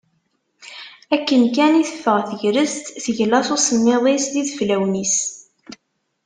Akken kan i teffeɣ tegrest, tegla s usemmiḍ-is d yideflawen-is.